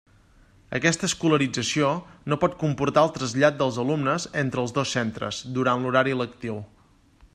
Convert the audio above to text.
Aquesta escolarització no pot comportar el trasllat dels alumnes entre els dos centres durant l'horari lectiu.